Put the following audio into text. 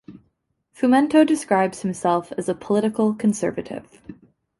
Fumento describes himself as a political conservative.